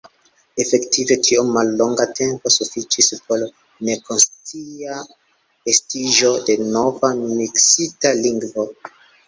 Efektive, tiom mallonga tempo sufiĉis por nekonscia estiĝo de nova miksita lingvo.